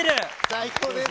最高です！